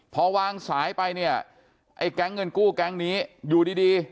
พอวางสายไปเนี่ยไอ้แก๊งเงินกู้แก๊งนี้อยู่ดีดี